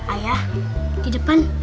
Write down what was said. ayah di depan